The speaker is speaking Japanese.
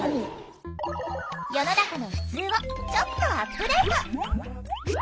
世の中のふつうをちょっとアップデート。